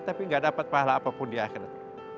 tapi gak dapat pahala apapun di akhirat